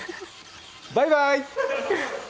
バイバイ！